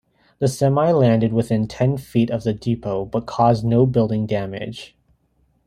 The semi landed within ten feet of the depot but caused no building damage.